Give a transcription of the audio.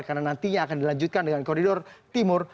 karena nantinya akan dilanjutkan dengan koridor timur